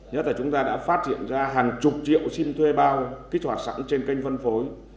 nhất là chúng ta đã phát hiện ra hàng chục triệu xin thuê bao kích hoạt sẵn trên kênh phân phối